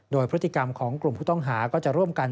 โดยพฤติกรรมของกลุ่มผู้ต้องหาก็จะร่วมกัน